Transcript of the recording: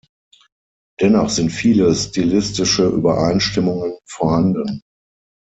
Dennoch sind viele stilistische Übereinstimmungen vorhanden.